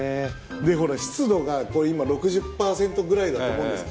湿度が今６０％ぐらいだと思うんです。